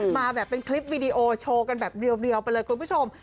มาแบบเป็นคลิปวีดีโอโชว์กันแบบเรียวไปเลยคุณผู้ชม